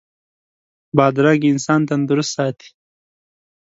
بادرنګ انسان تندرست ساتي.